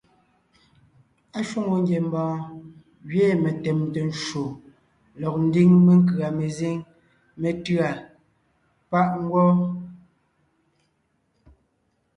Ashwòŋo ngiembɔɔn gẅiin metèmte ncwò lɔg ńdiŋ menkʉ̀a mezíŋ métʉ̂a páʼ ngwɔ́.